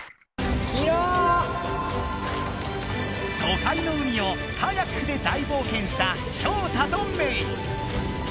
都会の海をカヤックで大冒険したショウタとメイ。